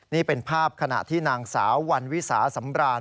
นี่เป็นภาพขณะที่นางสาววันวิสาสำราน